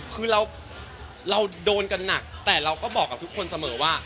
คือเราโดนกันหนักแต่เราก็บอกกับทุกคนเสมอว่า